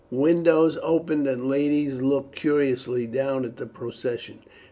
Windows opened and ladies looked curiously down at the procession.